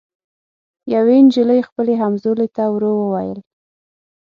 یوې نجلۍ خپلي همزولي ته ورو ووېل